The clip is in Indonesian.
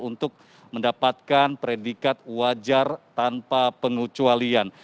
untuk mendapatkan predikat wajar tanpa pengecualian